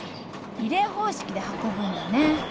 リレー方式で運ぶんだね。